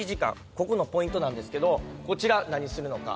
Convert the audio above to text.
ここのポイントなんですけどこちら何するのか？